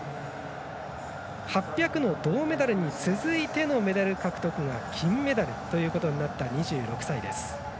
８００の銅メダルに続いてのメダル獲得が金メダルとなった２６歳。